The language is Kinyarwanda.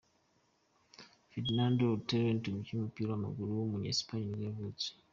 Fernando Llorente, umukinnyi w’umupira w’amaguru wo muri Espagne nibwo yavutse.